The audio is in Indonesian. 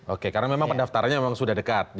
oke karena memang pendaftarannya memang sudah dekat